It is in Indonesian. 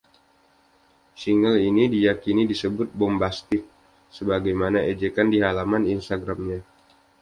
Single ini diyakini disebut "Bombastic" sebagaimana ejekan di halaman Instagram-nya.